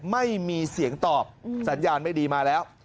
ไม่มีเสียงตอบสัญญาณไม่ดีมาแล้ว